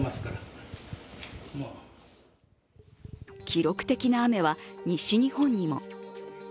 記録的な雨は、西日本にも。